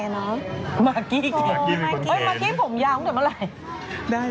เหมือนที่ผมยาวจบเมื่อไหร่